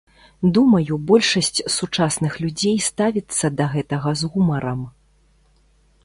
Думаю, большасць сучасных людзей ставіцца да гэтага з гумарам.